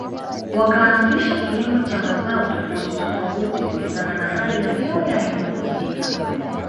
Wakaanzisha kilimo cha mazao tofauti tofauti kulingana na hali ya hewa ya eneo husika